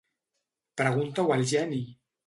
Pregunta-ho al geni!